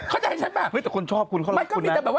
เขาจะที่มันแบบแต่คนชอบคุณคนรักคุณนะ